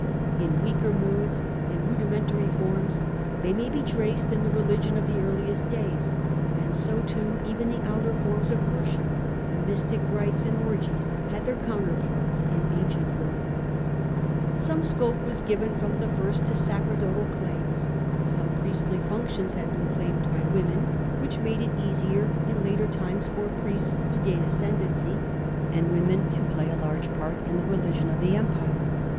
In weaker moods, in rudimentary forms, they may be traced in the religion ot the earliest days, and so too even the outer forms of worship, the mystic rites and orgies had their counter Thenew p^rts in ancient Rome. Some scope was comers were given from the first to sacerdotal claims, some Uve^sidVby priestly functions had been claimed by women, side in which made it easier in later times for priests peace m the ^ imperial to gain ascendancy, and women to play so large Pantiieon. ^ religion of the Empire.